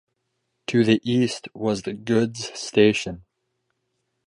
To the east was the goods station.